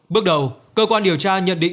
bước đầu cơ quan điều tra nhận định